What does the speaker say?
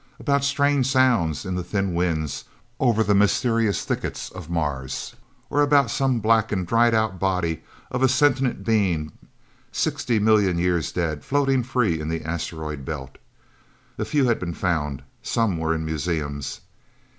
About strange sounds in the thin winds, over the mysterious thickets of Mars. Or about some blackened, dried out body of a sentient being, sixty million years dead, floating free in the Asteroid Belt. A few had been found. Some were in museums.